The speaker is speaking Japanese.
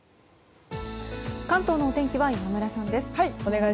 関東のお天気は今村さんです。